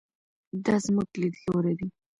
دا زموږ لیدلوری دی.